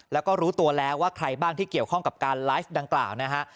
แล้วก็รู้ตัวแล้วว่าใครบ้างที่เกี่ยวข้องกับการไลฟ์ดังกล่าวนะฮะ